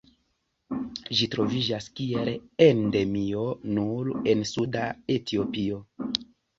Ĝi troviĝas kiel endemio nur en suda Etiopio.